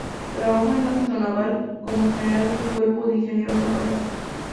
Trabajó en el ámbito naval, como general del cuerpo de ingenieros navales.